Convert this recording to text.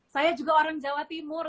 saya juga orang jawa timur